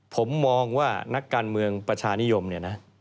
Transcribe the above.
ผมมองว่านักการเมืองประชานิยมเนี่ยนะ